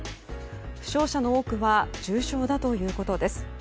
負傷者の多くは重傷だということです。